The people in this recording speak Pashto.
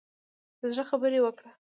د زړه خبرې وکړه.